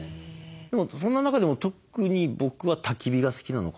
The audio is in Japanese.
でもそんな中でも特に僕はたき火が好きなのかな。